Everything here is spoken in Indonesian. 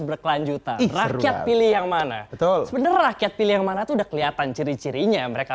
berkelanjutan rakyat pilih yang mana betul rakyat pilih yang mana tuh udah kelihatan ciri cirinya mereka